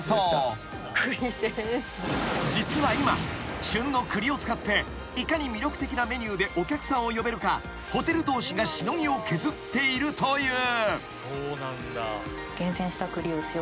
［実は今旬の栗を使っていかに魅力的なメニューでお客さんを呼べるかホテル同士がしのぎを削っているという］